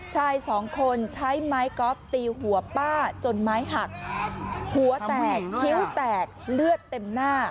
ชายสองคนใช้ไม้กอล์ฟตีหัวป้าจนไม้หักหัวแตกคิ้วแตกเลือดเต็มหน้า